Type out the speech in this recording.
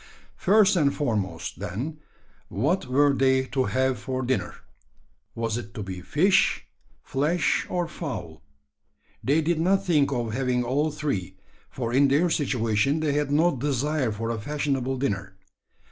First and foremost, then, what were they to have for dinner? Was it to be fish, flesh, or fowl? They did not think of having all three: for in their situation they had no desire for a fashionable dinner.